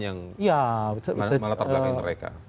yang melatar belakang mereka